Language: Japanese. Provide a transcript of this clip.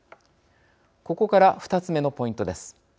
ここから、２つ目のポイントです。